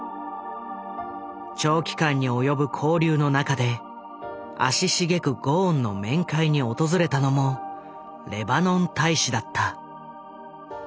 長期間に及ぶ勾留の中で足しげくゴーンの面会に訪れたのもレバノン大使だった。